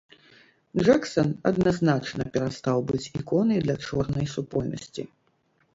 Джэксан адназначна перастаў быць іконай для чорнай супольнасці.